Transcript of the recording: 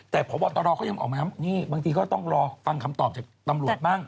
แต่พบตรเขายังออกมานี่บางทีก็ต้องรอฟังคำตอบจากตำรวจบ้าง